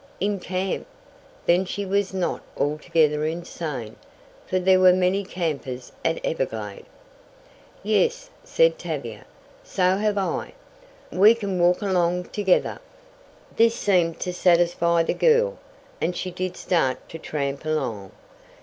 In camp! Then she was not altogether insane, for there were many campers at Everglade. "Yes," said Tavia, "so have I. We can walk along together." This seemed to satisfy the girl, and she did start to tramp along.